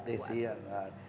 desi ya pak